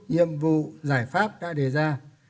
nhiệm vụ giải pháp đã đề ra